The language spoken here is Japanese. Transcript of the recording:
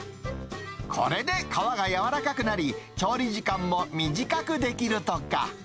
これで皮が軟らかくなり、調理時間も短くできるとか。